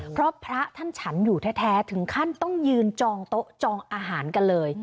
เพราะพระท่านฉันอยู่แท้ถึงขั้นต้องยืนจองโต๊ะจองอาหารกันเลย